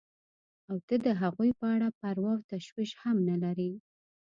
او ته د هغوی په اړه پروا او تشویش هم نه لرې.